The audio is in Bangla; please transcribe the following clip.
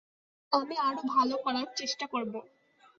আমি আরো ভালো করার চেষ্টা করবো।